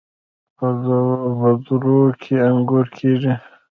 په درو کې انګور کیږي.